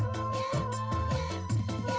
kau merasa keluar